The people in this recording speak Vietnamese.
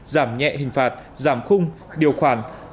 giảm nhẹ hình phạt giảm khung điều khoản